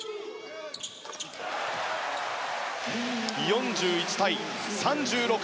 ４１対３６。